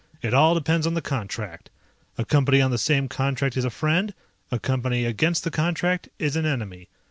It all depends on the contract. A Company on the same contract is a friend, a Company against the contract is an enemy.